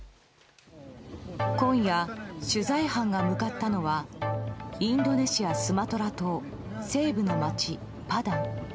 今夜、取材班が向かったのはインドネシア・スマトラ島西部の街パダン。